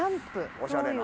おしゃれな。